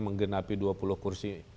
menggenapi dua puluh kursi